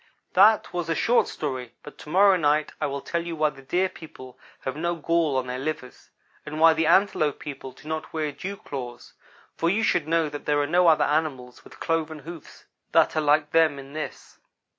"That was a short story, but to morrow night I will tell you why the Deer people have no gall on their livers; and why the Antelope people do not wear dew claws, for you should know that there are no other animals with cloven hoofs that are like them in this.